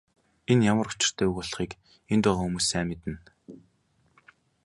Энэ ямар учиртай үг болохыг энд байгаа хүмүүс сайн мэднэ.